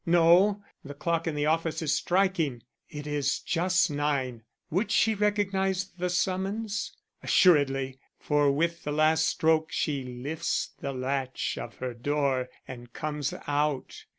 No, the clock in the office is striking; it is just nine. Would she recognize the summons? Assuredly; for with the last stroke she lifts the latch of her door and comes out.